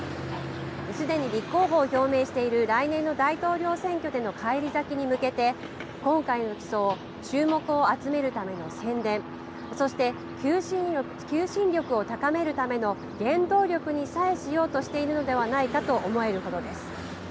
すでに立候補を表明している来年の大統領選挙での返り咲きに向けて、今回の起訴を注目を集めるための宣伝、そして求心力を高めるための原動力にさえしようとしているのではないかと思えるほどです。